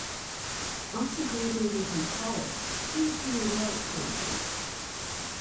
After graduating from college, she became a world champion.